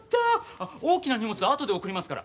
あ大きな荷物あとで送りますから。